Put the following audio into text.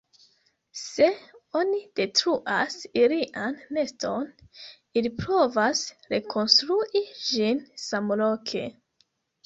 Se oni detruas ilian neston, ili provas rekonstrui ĝin samloke.